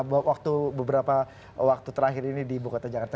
kita lihat dalam waktu beberapa waktu terakhir ini di bukota jakarta